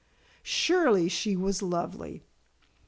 Surely she was lovely.